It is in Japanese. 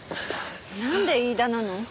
なんで飯田なの？